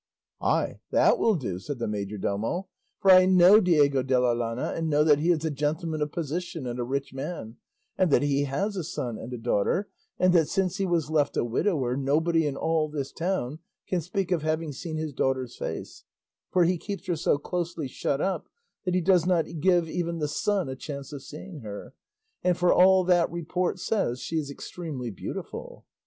"Ay, that will do," said the majordomo; "for I know Diego de la Llana, and know that he is a gentleman of position and a rich man, and that he has a son and a daughter, and that since he was left a widower nobody in all this town can speak of having seen his daughter's face; for he keeps her so closely shut up that he does not give even the sun a chance of seeing her; and for all that report says she is extremely beautiful."